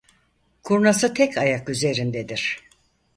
Kurnası tek ayak üzerindedir.